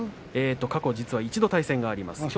過去１回、対戦があります。